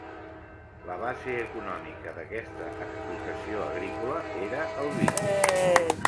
La base econòmica d'aquesta explotació agrícola era el vi.